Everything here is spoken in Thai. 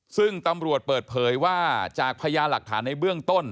ซึ่งตำรวจเปิดเผยว่าจากพยานหลักฐานในเบื้องต้น